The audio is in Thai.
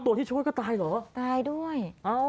ที่ช่วยก็ตายเหรอตายด้วย